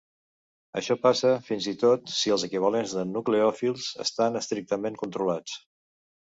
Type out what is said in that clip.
Això passa fins i tot si els equivalents de nucleòfils estan estrictament controlats.